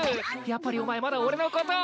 やっぱりお前まだ俺のことを。